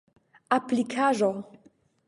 aplikaĵo